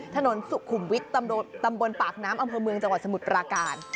ถนนสุขุมวิทย์ตำบลปากน้ำอำเภอเมืองจังหวัดสมุทรปราการ